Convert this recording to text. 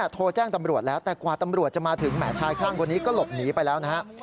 แต่กว่าตำรวจจะมาถึงแหม่ชายข้างคนนี้ก็หลบหนีไปแล้วนะครับ